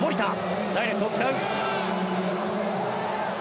ダイレクトを使う。